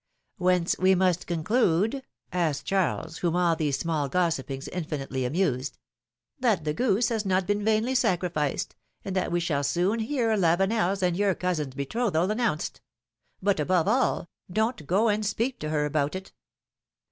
^'Whence we must conclude—?" asked Charles, whom all these small gossipings infinitely amused. That the goose has not been vainly sacrificed, and that we shall soon hear Lavenel's and your cousin's betrothal 102 PHILOMi:NE's MARRIAGES. announced. But above all, don't go and speak to her about it."